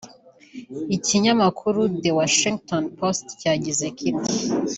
Ikinyamakuru The Washington Post cyagize kiti